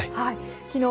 きのう